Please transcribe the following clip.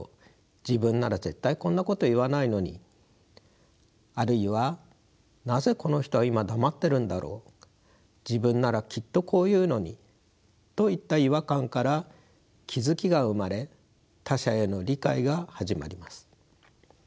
自分なら絶対こんなこと言わないのにあるいはなぜこの人は今黙っているのだろう自分ならきっとこう言うのにといった違和感から気付きが生まれ他者への理解が始まります。